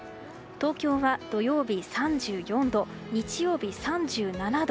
東京は土曜日３４度日曜日３７度。